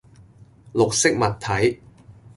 綠色物體